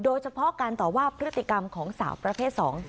โดยเฉพาะการต่อว่าพฤติกรรมของสาวประเภท๒